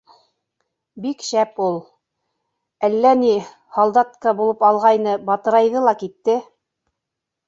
Бик шәп ул. Әллә ни, һалдатка булып алғайны, батырайҙы ла китте.